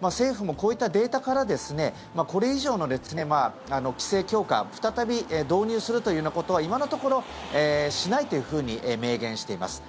政府もこういったデータからこれ以上の規制強化再び導入するということは今のところしないというふうに明言しています。